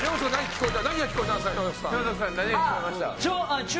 聞こえて？